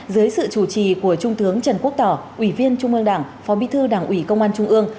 dưới sự chủ trì của trung tướng trần quốc tỏ ủy viên trung ương đảng phó bí thư đảng ủy công an trung ương